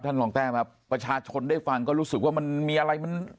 ท่านลองแท้ครับประชาชนได้ฟังก็รู้สึกว่ามันมีอะไร